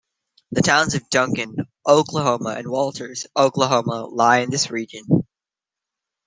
The towns of Duncan, Oklahoma and Walters, Oklahoma, lie in this region.